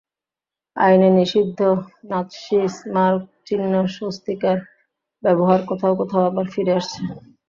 আইনে নিষিদ্ধ নাৎসি স্মারকচিহ্ন স্বস্তিকার ব্যবহার কোথাও কোথাও আবার ফিরে আসছে।